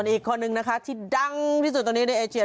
อีกคนหนึ่งนะคะที่ดังที่สุดในเอเชีย